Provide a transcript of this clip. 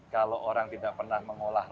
kalau orang tidak pernah mengolah